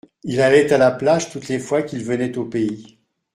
Il allait à la plage toutes les fois qu’il venait au pays.